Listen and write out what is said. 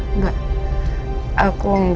aku enggak mau investasi